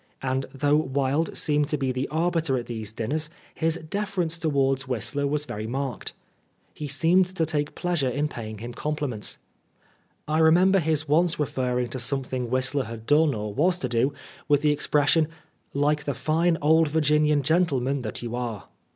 And though Wilde seemed to be the arbiter at these dinners, his deference towards Whistler was very marked. He seemed to take pleasure in paying him compliments. I remember his once referring to something Whistler had done or was to do, with the expression " like the fine old Virginian gentleman that you are."